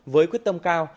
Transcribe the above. với quyết tâm cao